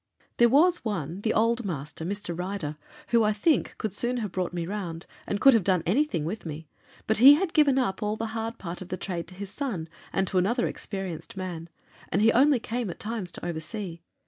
"There was one the old master, Mr. Ryder who, I think, could soon have brought me round, and could have done anything with me; but he had given up all the hard part of the trade to his son and to another experienced man, and he only came at times to oversee.